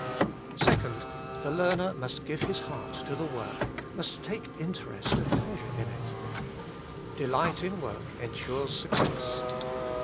2. The learner must give his heart to the work, must take interest and pleasure in it. Delight in work ensures success.